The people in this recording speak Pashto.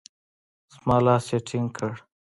زما لاس يې ټينګ کړ.